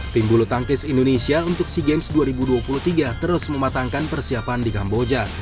tim bulu tangkis indonesia untuk sea games dua ribu dua puluh tiga terus mematangkan persiapan di kamboja